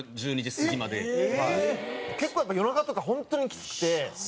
結構やっぱり夜中とか本当にきつくて。